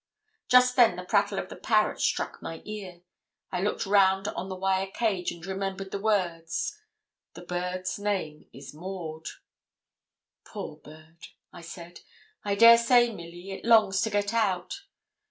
Just then the prattle of the parrot struck my ear. I looked round on the wire cage, and remembered the words, 'The bird's name is Maud.' 'Poor bird!' I said. 'I dare say, Milly, it longs to get out.